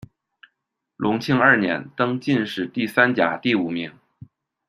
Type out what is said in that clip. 隆庆二年，登进士第三甲第五名。